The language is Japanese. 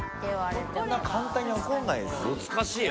そんな簡単に起こんないですよ。